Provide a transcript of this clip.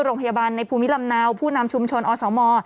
โรงพยาบาลในภูมิลำเนาผู้นำชุมชนอสม